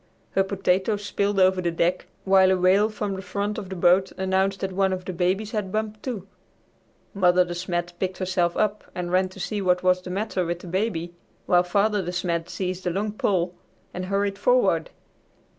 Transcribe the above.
Her potatoes spilled over the deck, while a wail from the front of the boat announced that one of the babies had bumped, too. Mother De Smet picked herself up and ran to see what was the matter with the baby, while Father De Smet seized a long pole and hurried forward.